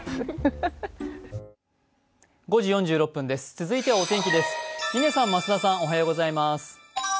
続いてはお天気です。